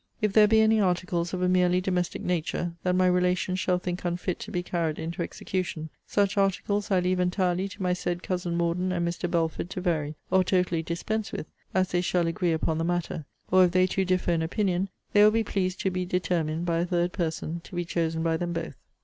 If there be any articles of a merely domestic nature, that my relations shall think unfit to be carried into execution; such articles I leave entirely to my said cousin Morden and Mr. Belford to vary, or totally dispense with, as they shall agree upon the matter; or, if they two differ in opinion, they will be pleased to be determined by a third person, to be chosen by them both.